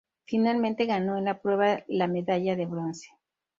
Finalmente ganó en la prueba la medalla de bronce.